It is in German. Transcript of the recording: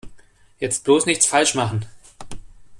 Jetzt bloß nichts falsch machen!